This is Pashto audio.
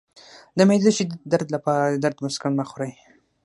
د معدې د شدید درد لپاره د درد مسکن مه خورئ